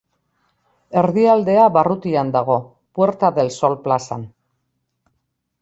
Erdialdea barrutian dago, Puerta del Sol plazan.